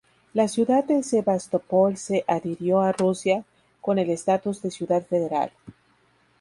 La ciudad de Sebastopol se adhirió a Rusia con el estatus de ciudad federal.